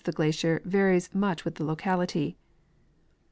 31 glacier varies much with the locahty.